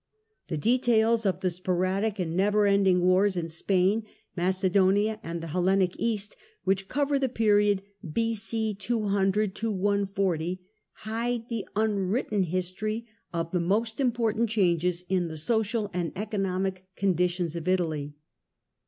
The details of the sporadic and never ending wars in Spain, Macedonia, and the Hellenic East, which cover the period B.O. 200 140, hide the unwritten history of the most important changes in the social and economic con ditions of Italy.